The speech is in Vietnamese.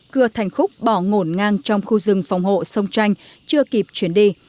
cưa thành khúc bỏ ngổn ngang trong khu rừng phòng hộ sông tranh chưa kịp chuyển đi